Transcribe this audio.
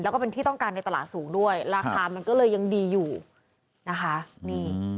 แล้วก็เป็นที่ต้องการในตลาดสูงด้วยราคามันก็เลยยังดีอยู่นะคะนี่